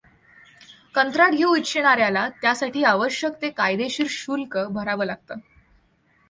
कंत्राट घेऊ इच्छिणाऱ्याला त्यासाठी आवश्यक ते कायदेशीर शुल्क भरावं लागतं.